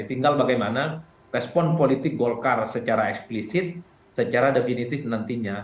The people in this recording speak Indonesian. tinggal bagaimana respon politik golkar secara eksplisit secara definitif nantinya